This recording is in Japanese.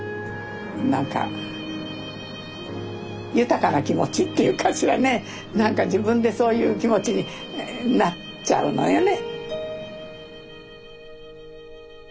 なんか豊かな気持ちっていうかしらねなんか自分でそういう気持ちになっちゃうのよね。